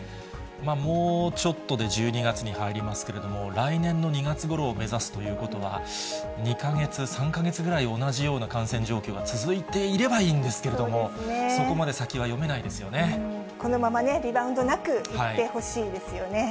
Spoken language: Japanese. もうちょっとで１２月に入りますけれども、来年の２月ごろを目指すということは、２か月、３か月ぐらい、同じような感染状況が続いていればいいんですけれども、そこまでこのままリバウンドなくいってほしいですよね。